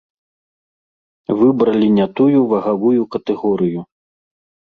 Выбралі не тую вагавую катэгорыю.